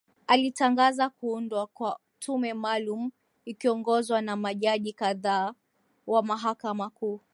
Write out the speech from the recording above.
alitangaza kuundwa kwa tume maalum ikiongozwa na majaji kadhaa wa mahakama kuu